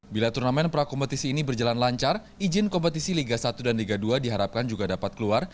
bila turnamen prakompetisi ini berjalan lancar izin kompetisi liga satu dan liga dua diharapkan juga dapat keluar